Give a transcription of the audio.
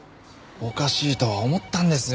おかしいとは思ったんですよ。